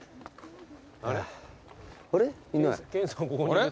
あれ？